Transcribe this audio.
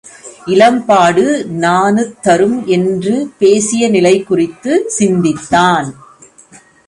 இலம்பாடு நாணுத்தரும் என்று பேசிய நிலை குறித்துச் சிந்தித்தான்.